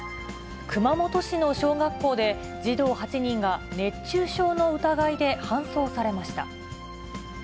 熊本市の小学校で、児童８人が熱中症の疑いで搬送されました。